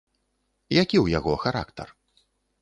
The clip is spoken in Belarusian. Які ў яго характар?